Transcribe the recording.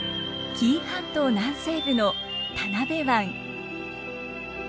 紀伊半島南西部の田辺湾。